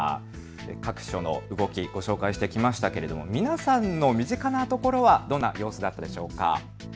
各所の動き、ご紹介してきましたが皆さんの身近な所はどんな様子だったでしょうか。